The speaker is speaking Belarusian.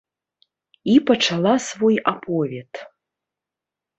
І пачала свой аповед.